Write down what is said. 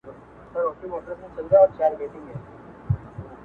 o گراني نن ستا گراني نن ستا پر كلي شپه تېروم.